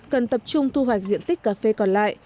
cần tập trung thu hoạch diện tích cà phê còn lại